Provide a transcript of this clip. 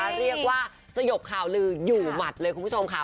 เรียกว่าสยบข่าวลืออยู่หมัดเลยคุณผู้ชมค่ะ